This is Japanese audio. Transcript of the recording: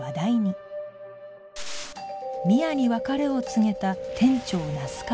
深愛に別れを告げた店長那須川